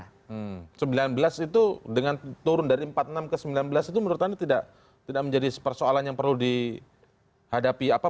karena sembilan belas itu dengan turun dari empat puluh enam ke sembilan belas itu menurut anda tidak menjadi persoalan yang perlu dihadapi